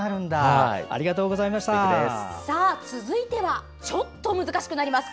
続いてはちょっと難しくなります。